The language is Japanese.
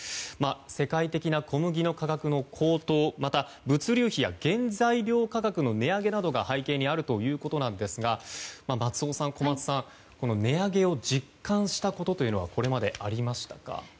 世界的な小麦の価格の高騰また、物流費原材料価格などの値上げが背景にあるということなんですが松尾さん、小松さん値上げを実感したことはこれまでありましたか？